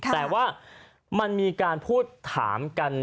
แต่ว่ามันมีการพูดถามกัน